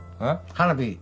花火。